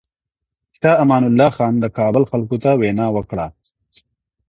شاه امان الله خان د کابل خلکو ته وینا وکړه.